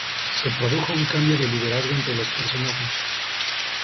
Se produjo un cambio de liderazgo entre los personajes.